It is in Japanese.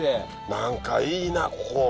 何かいいなここ。